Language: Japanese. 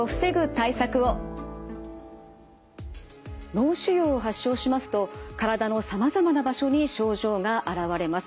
脳腫瘍を発症しますと体のさまざまな場所に症状が現れます。